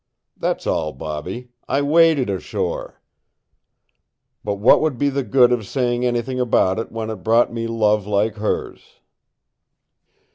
That's all, Bobby. I waded ashore. But what would be the good of saying anything about it when it brought me love like hers?"